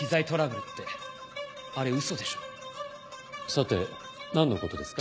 さて何のことですか。